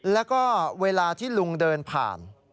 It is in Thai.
แล้วก็เวลาที่ลุงเดินผ่าน